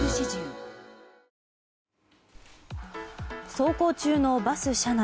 走行中のバス車内。